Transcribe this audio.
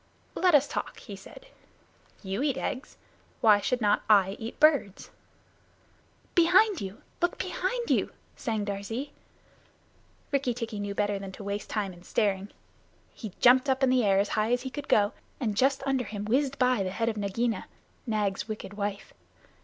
"Let us talk," he said. "You eat eggs. Why should not I eat birds?" "Behind you! Look behind you!" sang Darzee. Rikki tikki knew better than to waste time in staring. He jumped up in the air as high as he could go, and just under him whizzed by the head of Nagaina, Nag's wicked wife.